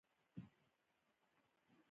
که هر انسان جلا لګيا وي.